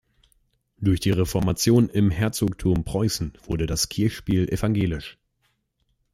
Durch die Reformation im Herzogtum Preußen wurde das Kirchspiel evangelisch.